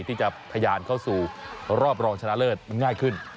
ที่จะทะยานเข้าสู่รอบรองชนะเลิศง่ายขึ้น